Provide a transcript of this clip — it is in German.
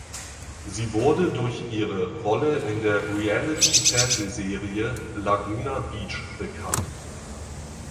Sie wurde durch ihre Rolle in der Reality-Fernsehserie "Laguna Beach" bekannt.